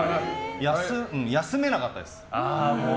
休めなかったです。